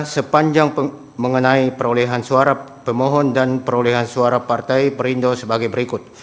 sepanjang mengenai perolehan suara pemohon dan perolehan suara partai perindo sebagai berikut